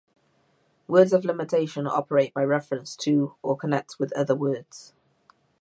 Words of limitation operate by reference to or connection with other words.